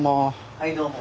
はいどうも。